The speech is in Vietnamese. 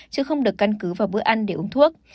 chứ không được căn cứ vào bữa ăn để uống thuốc